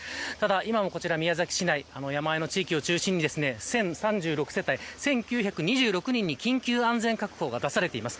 今も宮崎市内山あいの地域を中心に１０３６世帯、１９２６人に緊急安全確保が出されています。